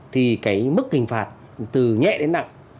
thì cái mức hình phạt từ nhẹ đến nặng